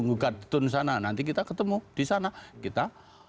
buka tentu sana nanti kita ketemu di sana kita